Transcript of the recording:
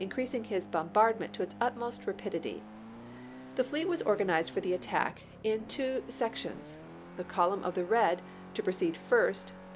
mcreasmg his bombardment to its utmost rapidity. The fleet was organized for the attack in two sec FARKAGUT'S VICTOEY 261 tions ; the " column of the red " to proceed first and, chap.